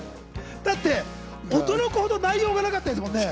だって、驚くほど内容がなかったですもんね。